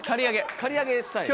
刈り上げスタイル。